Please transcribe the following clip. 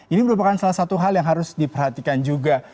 ini merupakan salah satu hal yang harus diperhatikan juga